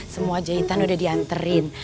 semua jahitan udah dianterin